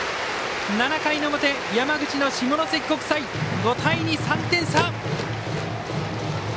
７回表、山口の下関国際５対２、３点差！